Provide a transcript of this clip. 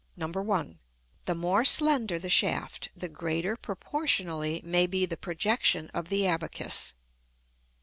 _The more slender the shaft, the greater, proportionally, may be the projection of the abacus.